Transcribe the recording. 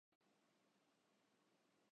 ملک کی سیکیورٹی کے لیے خطرہ ہوگی